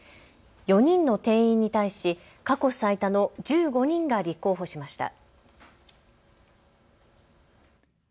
４人の定員に対し過去最多の１５人が立候補しました。